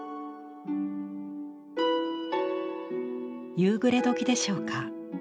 夕暮れ時でしょうか？